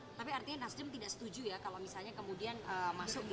tapi artinya nasdem tidak setuju ya kalau misalnya kemudian masuk